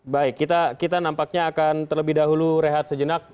baik kita nampaknya akan terlebih dahulu rehat sejenak